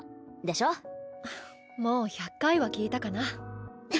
もう１００回は聞いたかな。